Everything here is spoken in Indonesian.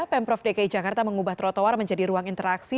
pemprov dki jakarta mengubah trotoar menjadi ruang interaksi